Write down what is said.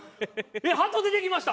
ハト出てきました。